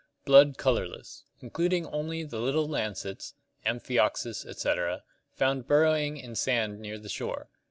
Blood colorless. Including only the little lancelets, Ampkioxus, etc., found burrowing in sand near the shore.